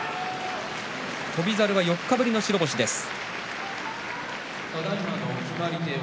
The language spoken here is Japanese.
翔猿は４日ぶりの白星です。